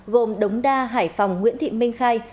gồm đống đa hải phòng nguyễn thị minh khai